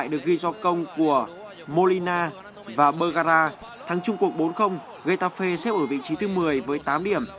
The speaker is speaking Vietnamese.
được ghi do công của molina và bergara thắng chung cuộc bốn getafe xếp ở vị trí thứ một mươi với tám điểm